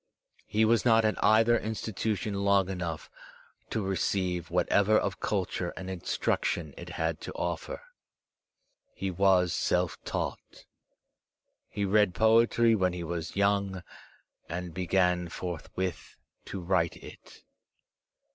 He was not at either institution long enough to receive whatever of culture and instruction it had to offer. He was self taught. He read poetry when he was young, and began forthwith to write it.